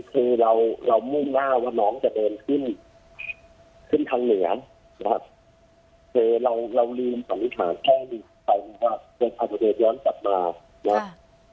ครับคือเรามุ่งหน้าว่าน้องจะเดินขึ้นทางเหนือ